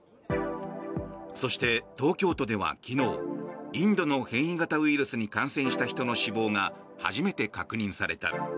そして、東京都では昨日インドの変異型ウイルスに感染した人の死亡が初めて確認された。